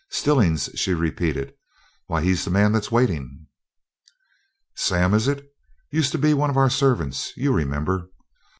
"Stillings?" she repeated. "Why, he's the man that's waiting." "Sam, is it? Used to be one of our servants you remember?